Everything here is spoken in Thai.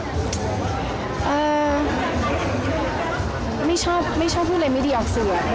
หลายเรื่องเลยแล้วรู้สึกไม่ชอบไม่ชอบพูดอะไรไม่ดีออกสื่อ